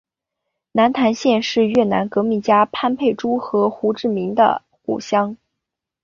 南坛县是越南革命家潘佩珠和胡志明的故乡。